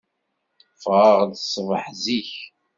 Ffɣeɣ-d ṣṣbeḥ zik.